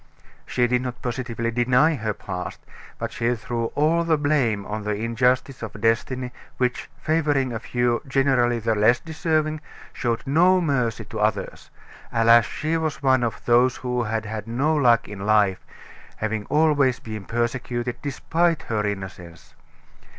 She did not positively deny her past; but she threw all the blame on the injustice of destiny, which, while favoring a few, generally the less deserving, showed no mercy to others. Alas! she was one of those who had had no luck in life, having always been persecuted, despite her innocence.